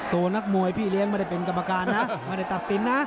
ตัวนักมวยพี่เลี้ยงไม่ได้เป็นกรรมการนะไม่ได้ตัดสินนะ